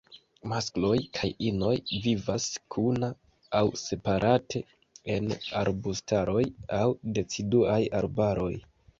Maskloj kaj inoj vivas kuna aŭ separate en arbustaroj aŭ deciduaj arbaroj.